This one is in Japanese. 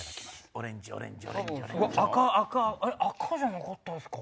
オレンジオレンジオレンジ。赤赤じゃなかったですか？